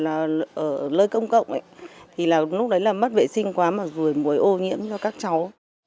nếu mà ở lơi công cộng thì lúc đấy là mất vệ sinh quá mà rùi mùi ô nhiễm cho các cháu